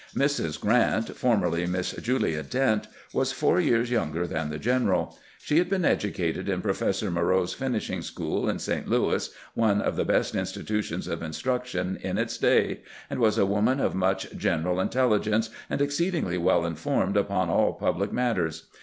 Mrs. Grant, formerly Miss Julia Dent, was four years younger than the general. She had been educated in Professor Moreau's finishing school in St. Louis, one of the best institutions of instruction in its day, and was a woman of much general intelligence, and exceedingly well informed upon all public matters.